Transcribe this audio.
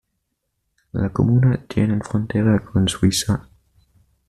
La comuna tienen frontera con Suiza.